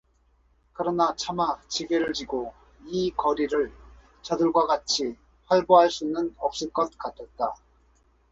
그러나 차마 지게를 지고 이 거리를 저들과 같이 활보할 수는 없을 것 같았다.